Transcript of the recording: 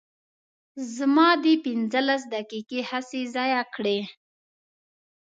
زما دې پنځلس دقیقې هسې ضایع کړې.